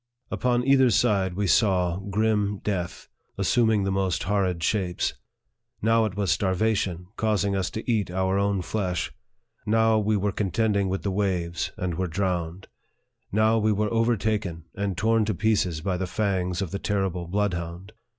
Upon either side we saw grim death, assuming the most horrid shapes. Now it was starvation, causing us to eat our own flesh; now we were contending with the waves, and were drowned ; now we were over taken, and torn to pieces by the fangs of the terrible bloodhound.